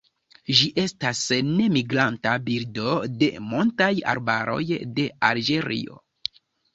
Ĝi estas nemigranta birdo de montaj arbaroj de Alĝerio.